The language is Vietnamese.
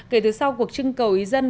kể từ sau cuộc trưng cầu ý dân